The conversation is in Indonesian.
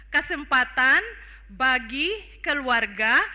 kesempatan bagi keluarga